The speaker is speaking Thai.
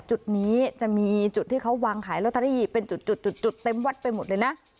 จุดนี้จะมีจุดที่เขาวางขายลอตเตอรี่เป็นจุดเต็มวัดไปหมดเลยนะ